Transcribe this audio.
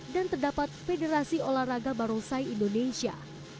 dan terdapat federasi olahraga barongsai indonesia